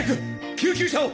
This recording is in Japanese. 救急車を。